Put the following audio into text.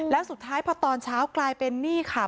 แล้วสุดท้ายพอตอนเช้ากลายเป็นนี่ค่ะ